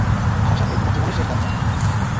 আমার সাথে তোমার জীবনের শেষ যাত্রা।